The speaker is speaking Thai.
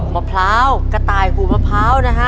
มะพร้าวกระต่ายหูมะพร้าวนะฮะ